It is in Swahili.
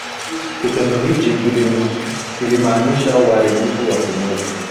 kitendo hicho kilimaanisha uharibifu wa kimwili